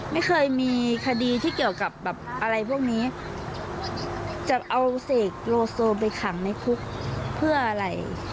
ไม่เคยมีคดีที่เกี่ยวกับแบบอะไรพวกนี้จะเอาเสกโลโซไปขังในคุกเพื่ออะไร